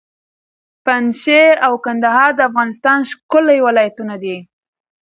پنجشېر او کندهار د افغانستان ښکلي ولایتونه دي.